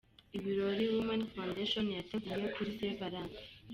Ibirori Women Foundation yateguye kuri St Valentin.